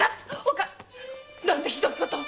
何てひどいことを‼